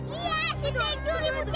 iya si pei juri bucana